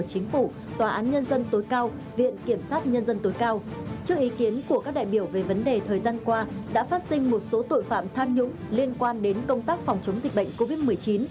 chính phủ tòa án nhân dân tối cao viện kiểm sát nhân dân tối cao trước ý kiến của các đại biểu về vấn đề thời gian qua đã phát sinh một số tội phạm tham nhũng liên quan đến công tác phòng chống dịch bệnh covid một mươi chín